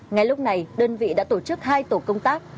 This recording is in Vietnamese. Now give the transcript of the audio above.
ngay lúc này đơn vị đã tổ chức hai tổ công tác